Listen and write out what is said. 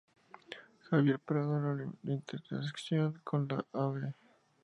Javier Prado en la intersección con la Av.